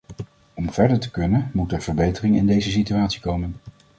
Om verder te kunnen, moet er verbetering in deze situatie komen.